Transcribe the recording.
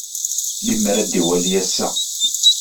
Limer ad iwali ass-a.